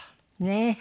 ねえ。